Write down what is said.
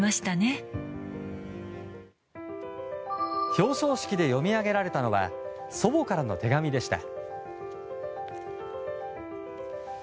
表彰式で読み上げられたのは祖母からの手紙でした。